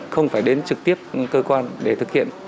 không phải đến trực tiếp cơ quan để thực hiện